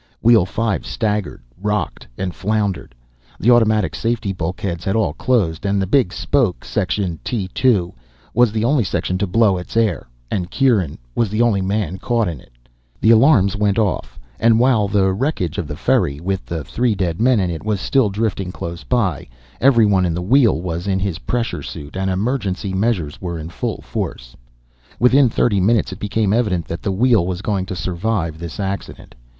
Wheel Five staggered, rocked, and floundered. The automatic safety bulkheads had all closed, and the big spoke Section T2 was the only section to blow its air, and Kieran was the only man caught in it. The alarms went off, and while the wreckage of the ferry, with three dead men in it, was still drifting close by, everyone in the Wheel was in his pressure suit and emergency measures were in full force. Within thirty minutes it became evident that the Wheel was going to survive this accident.